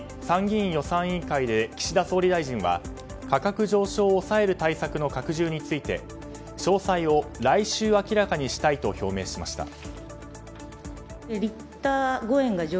参議院予算委員会で岸田総理大臣は価格上昇を抑える対策の拡充について詳細を来週明らかにしたいと表明しました。